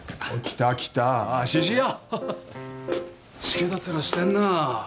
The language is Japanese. しけた面してんな。